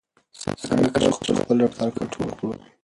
څنګه کولای شو خپل رفتار کنټرول کړو؟